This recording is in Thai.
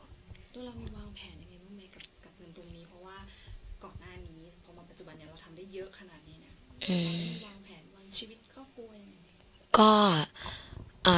ตัวเรามีวางแผนยังไงบ้างไหมกับเงินตรงนี้เพราะว่าก่อนหน้านี้พอมาปัจจุบันนี้เราทำได้เยอะขนาดนี้เนี่ยวางแผนวางชีวิตครอบครัวยังไง